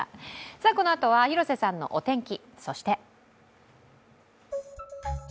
このあとは広瀬さんのお天気。